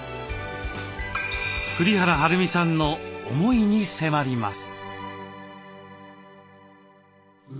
栗原はるみさんの思いに迫ります。